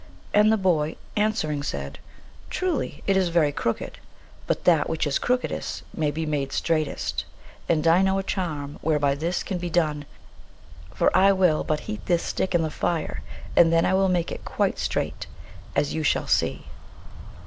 " And the boy, answering, said, " Truly, it is very crooked, but that which is crookedest may be made straightest, and I know a charm whereby this can be done ; for I will but heat this stick in the fire, and then I will make it quite straight, as you shall see."